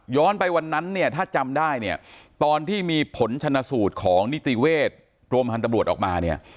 ไปวันนั้นเนี่ยถ้าจำได้เนี่ยตอนที่มีผลชนสูตรของนิติเวชโรงพยาบาลตำรวจออกมาเนี่ย